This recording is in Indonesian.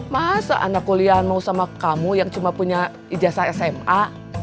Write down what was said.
masa anak kuliahan mau sama kamu yang cuma punya ijazah sma